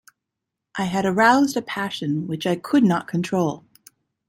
I had aroused a passion which I could not control.